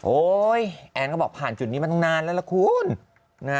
แอนก็บอกผ่านจุดนี้มาตั้งนานแล้วล่ะคุณ